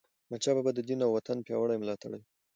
احمدشاه بابا د دین او وطن پیاوړی ملاتړی و.